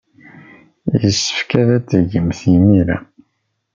Yessefk ad t-tgemt imir-a.